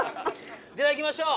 ではいきましょう。